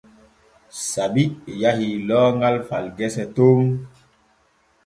Sabi yahi looŋal far gese ton.